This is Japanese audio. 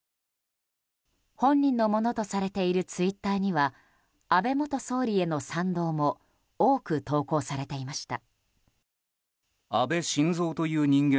本人のものとされているツイッターには安倍元総理への賛同も多く投稿されていました。